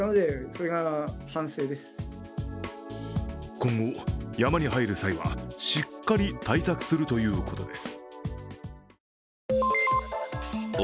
今後、山に入る際はしっかり対策するということです。